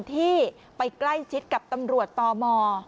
ที่ไปใกล้ชิดกับตำรวจตม